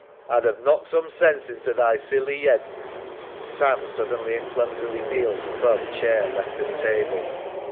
A'd 'ave knocked some sense into thy silly yead. «AM {suddenly and clumsily kneels above chair left of table).